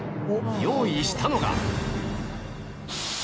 用意したのが。